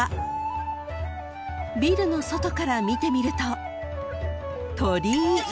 ［ビルの外から見てみると］